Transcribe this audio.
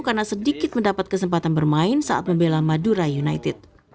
karena sedikit mendapat kesempatan bermain saat membela madura united